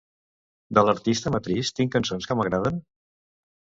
De l'artista Matriss tinc cançons que m'agraden?